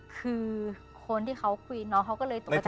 คือคนที่เขาคุยน้องเขาก็เลยตกใจ